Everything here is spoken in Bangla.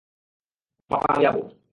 পাপা আমি যাবো।